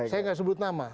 saya tidak sebut nama